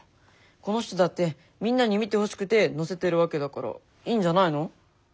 この人だってみんなに見てほしくて載せてるわけだからいいんじゃないの？